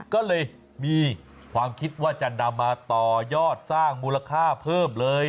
ก็เลยมีความคิดว่าจะนำมาต่อยอดสร้างมูลค่าเพิ่มเลย